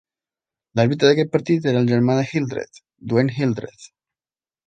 L'àrbitre d'aquest partit era el germà de Hildreth, Dwayne Hildreth.